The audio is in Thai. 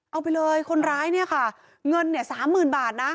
เอาไปเลยคนร้ายเนี่ยค่ะเงินเนี่ยสามหมื่นบาทนะ